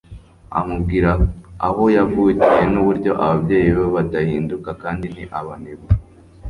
Amubwira aho yavukiye nuburyo ababyeyi be badahinduka kandi ni abanebwe